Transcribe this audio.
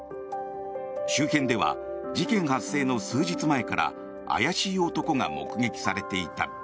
周辺では事件発生の数日前から怪しい男が目撃されていた。